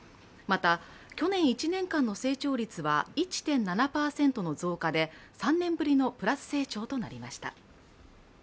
また去年１年間の成長率は１．７％の増加で３年ぶりのプラス成長となりました